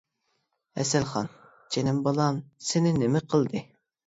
ھەسەلخان: جېنىم بالام سېنى نېمە قىلدى.